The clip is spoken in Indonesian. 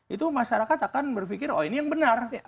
itu masyarakat akan berpikir oh ini yang benar